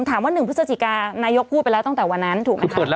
ถามว่า๑พฤศจิกานายกพูดไปแล้วตั้งแต่วันนั้นถูกไหมคะ